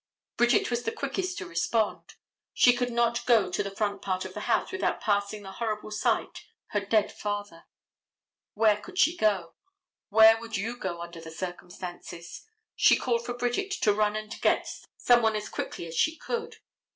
Bridget was the quickest to respond. She could not go to the front part of the house without passing the horrible sight, her dead father. Where could she go? Where would you go under the circumstances? She called for Bridget to run and get some one as quickly as she could.